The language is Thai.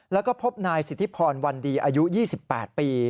แล้วก็พบนายสิทธิพรวันดีอายุ๒๘ปี